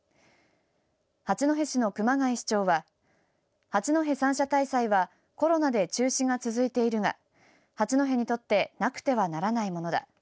八戸市の熊谷市長は八戸三社大祭はコロナで中止が続いているが八戸にとってなくてはならないものだ。